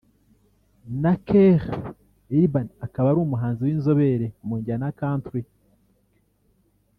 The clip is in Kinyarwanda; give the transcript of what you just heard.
na Keith Urban akaba ari umuhanzi w’inzobere mu njyana ya Country